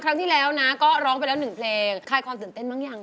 ครั้งที่แล้วนะก็ร้องไปแล้วหนึ่งเพลงคลายความตื่นเต้นบ้างยัง